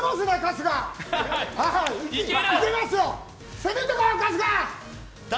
攻めてこう、春日！